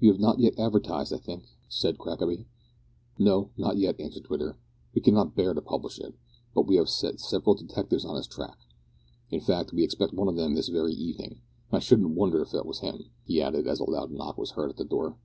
"You have not yet advertised, I think?" said Crackaby. "No, not yet," answered Twitter; "we cannot bear to publish it. But we have set several detectives on his track. In fact we expect one of them this very evening; and I shouldn't wonder if that was him," he added, as a loud knock was heard at the door.